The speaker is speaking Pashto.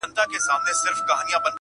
سلطانان یې دي په لومو کي نیولي.!